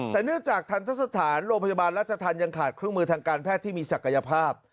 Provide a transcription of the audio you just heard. แต่เนื่องจากทันทะสถานโรงพยาบาลราชธรรมยังขาดเครื่องมือทางการแพทย์ที่มีศักยภาพ